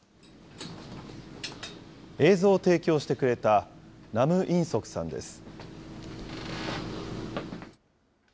映像を提供してくれたナム・インソクさんです。